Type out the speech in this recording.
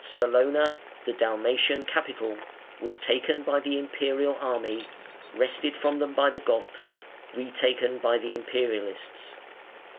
Salona, the Dalmatian capital, was taken by the Imperial army, wrested from them by the Goths, retaken by the Imperialists.